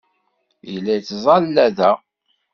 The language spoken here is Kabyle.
Yella yettẓalla da.